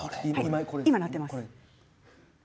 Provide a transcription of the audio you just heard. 今、鳴っています。